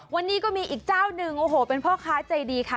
วันนี้ก็มีอีกเจ้าหนึ่งโอ้โหเป็นพ่อค้าใจดีค่ะ